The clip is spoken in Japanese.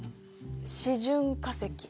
示準化石。